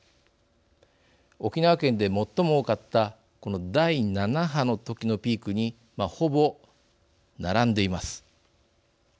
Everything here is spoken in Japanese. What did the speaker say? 沖縄県で最も多かったこの第７波の時のピークにほぼ並んでいます。